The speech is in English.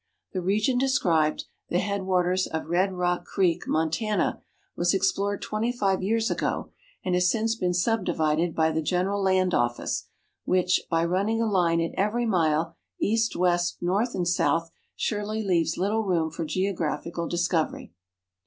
The region described, the headwaters of Red Rock creek, Montana, was ex plored twenty five years ago, and has since been subdivided by the Gen eral Land Office, which by running a line at every mile— east, west, north, and south— surely leaves little room for geographical discovery.